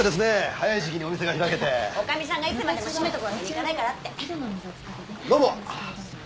早い時期にお店が開けて女将さんがいつまでも閉めとくわけにいかないからってどうも！